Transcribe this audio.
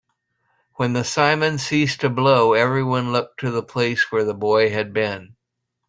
When the simum ceased to blow, everyone looked to the place where the boy had been.